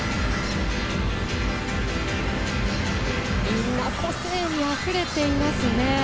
みんな個性にあふれていますね。